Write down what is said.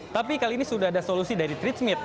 tapi kali ini sudah ada solusi dari tritsmith